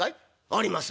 「あります」。